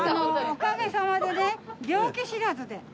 おかげさまでね病気知らずで。